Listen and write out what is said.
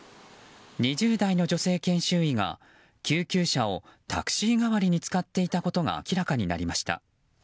２０代の女性研修医が救急車をタクシー代わりに使っていたことが明らかになりました。